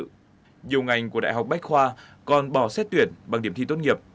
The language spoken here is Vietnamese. nhiều ngành của đại học bách khoa còn bỏ xét tuyển bằng điểm thi tốt nghiệp